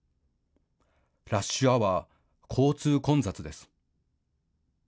ラッシュアワー、交通混雑です。